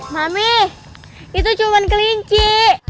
mami itu cuma kelinci